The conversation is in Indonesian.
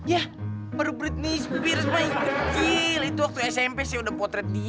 yah baru britney spears mah itu kecil itu waktu smp sih udah potret dia